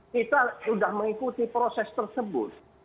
kita sudah mengikuti proses tersebut